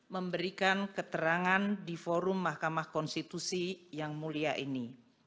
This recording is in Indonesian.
memberikan keterangan di forum mahkamah konstitusi yang mulia ini